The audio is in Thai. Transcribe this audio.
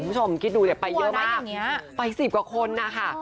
คุณผู้ชมคิดดูเนี่ยไปเยอะมากไป๑๐กว่าคนนะคะ